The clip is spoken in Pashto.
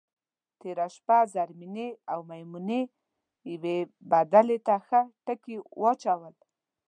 تېره شپه زرمېنې او میمونې یوې بدلې ته ښه ټکي واچول.